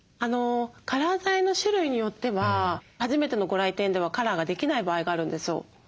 カラー剤の種類によっては初めてのご来店ではカラーができない場合があるんですよ。